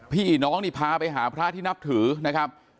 พี่น้องนี่พาไปหาพระที่นับถือนะครับ